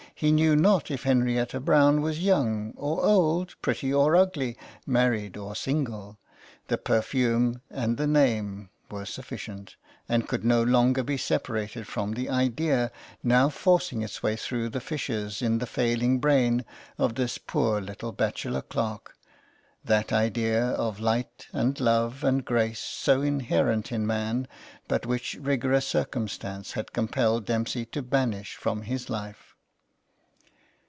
He knew not if Henrietta Brown was young or old, pretty or ugly, married or single ; the perfume and the name were sufficient, and could no longer be separated from the idea, now forcing its way through the fissures in the failing brain of this poor little bachelor clerk — that idea of light and love and grace so inherent in man, but which rigorous circumstance had compelled Dempsey to banish from his life.